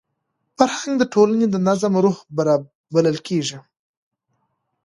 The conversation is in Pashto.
فرهنګ د ټولني د نظم روح بلل کېږي.